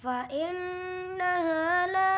namun yo minta berdoa